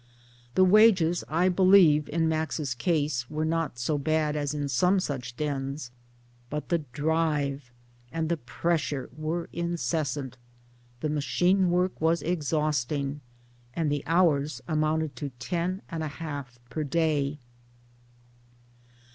The wages I believe, in Max's case, were not so bad as in some such dens, but the ' drive * and the pressure were incessant, the machine work was exhausting, and the hours amounted to ten and a half per day.